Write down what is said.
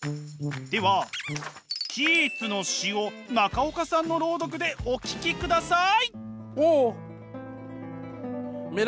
ではキーツの詩を中岡さんの朗読でお聞きください。